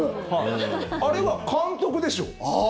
あれは監督でしょ。